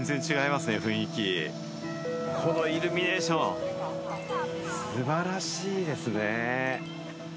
このイルミネーション、素晴らしいですね！